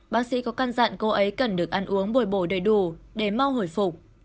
bác sĩ có căn dặn cô ấy cần được ăn uống bồi bổ đầy đủ để mau hồi phục